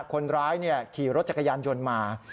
คนร้ายขี่รถจักรยานยนต์มา